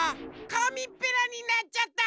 かみっぺらになっちゃった！